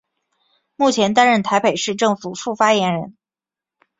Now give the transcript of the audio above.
目前担任台北市政府副发言人。